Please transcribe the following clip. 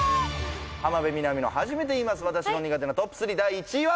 浜辺美波の初めて言います私の苦手なトップ３第１位は？